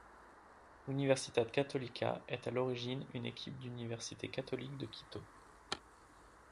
L'Universidad Católica est à l'origine une équipe d'une université catholique de Quito.